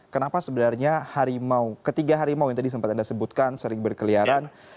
kenapa sebenarnya ketiga harimau yang tadi sempat anda sebutkan sering berkeliaran